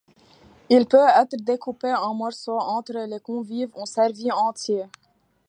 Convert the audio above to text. Il peut être découpé en morceaux entre les convives, ou servi entier.